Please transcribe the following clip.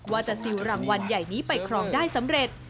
ซิลรางวัลใหญ่นี้ไปครองได้สำเร็จ